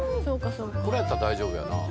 これやったら大丈夫やな。